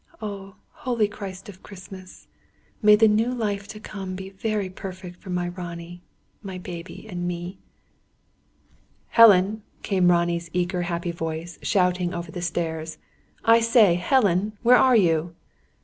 "Oh, holy Christ of Christmas, may the new life to come be very perfect for my Ronnie, my baby, and me." "Helen!" came Ronnie's eager happy voice, shouting over the stairs. "I say, Helen! Where are you?"